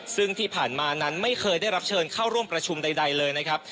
ซึ่งที่ผ่านมานั้นไม่เคยได้รับเชิญเข้าร่วมประชุมใดเลยนะครับ